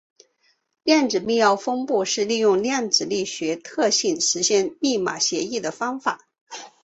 量子密钥分发是利用量子力学特性实现密码协议的方法。